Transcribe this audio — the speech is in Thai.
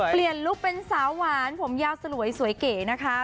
เปลี่ยนลูกเป็นสาวหวานผมยาวสลวยสวยเก๋นะคะ